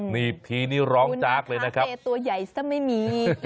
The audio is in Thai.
นี่พี่นี่ร้องจักเลยนะครับปูนาคาเตตัวใหญ่ซะไม่มี